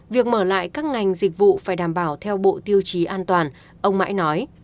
việc mở lại các ngành dịch vụ phải đảm bảo theo bộ tiêu chí an toàn ông mãi nói